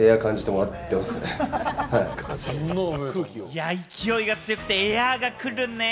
いや、勢いが強くて、エアが来るね。